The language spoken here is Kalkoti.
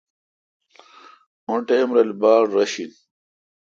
او ٹائم رل باڑ رش این۔